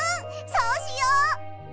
そうしよう！